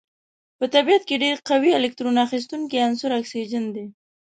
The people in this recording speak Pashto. په طبیعت کې ډیر قوي الکترون اخیستونکی عنصر اکسیجن دی.